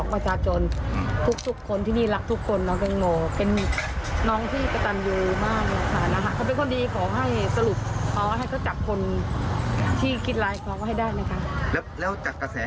ป้ามั่นใจว่าน้องอุตังโมเน็ตเสียชีวิตจากอะไร